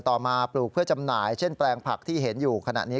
ต่อมาปลูกเพื่อจำหน่ายเช่นแปลงผักที่เห็นอยู่ขณะนี้